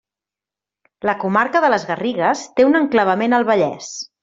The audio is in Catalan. La comarca de les Garrigues té un enclavament al Vallès.